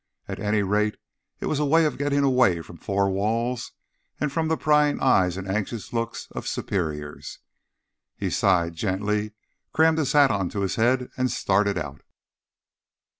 At any rate, it was a way of getting away from four walls and from the prying eyes and anxious looks of superiors. He sighed gently, crammed his hat onto his head and started out.